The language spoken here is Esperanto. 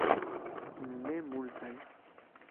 Ne multaj.